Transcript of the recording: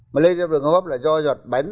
mà lây theo đường hốp là do giọt bánh